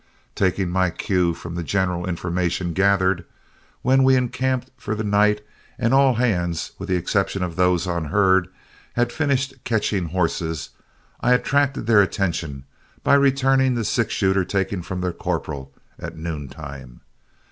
Taking my cue from the general information gathered, when we encamped for the night and all hands, with the exception of those on herd, had finished catching horses, I attracted their attention by returning the six shooter taken from their corporal at noontime.